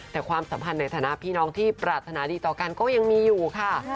แต่ความสัมพันธ์ในฐานะพี่น้องที่ปรารถนาดีต่อกันก็ยังมีอยู่ค่ะ